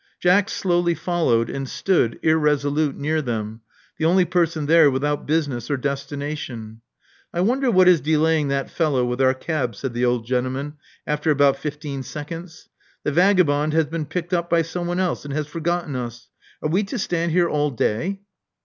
Jack slowly followed, and stood, irresolute, near them, the only person there without business or destination. I wonder what is delaying that fellow with our cab," said the old gentleman, after about fifteen seconds. *'The vagabond has been picked up by someone else, and has forgotten us. Are we to stand here all day?"